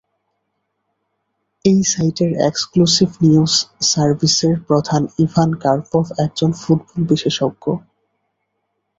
এই সাইটের exclusive news সার্ভিসের প্রধান ইভান কারপভ একজন ফুটবল বিশেষজ্ঞ।